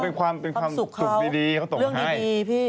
เพราะว่าเป็นความสุขดีเขาส่งมาให้เรื่องดีพี่